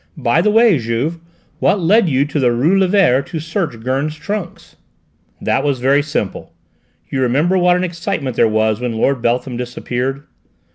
By the way, Juve, what led you to go to the rue Lévert to search Gurn's trunks?" "That was very simple. You remember what an excitement there was when Lord Beltham disappeared?